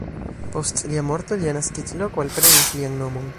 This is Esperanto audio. Post lia morto lia naskiĝloko alprenis lian nomon.